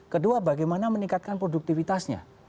kedua bagaimana meningkatkan produktivitasnya